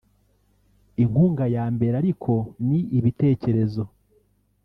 inkunga ya mbere ariko ni ibitekerezo